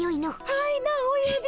はいなおやびん。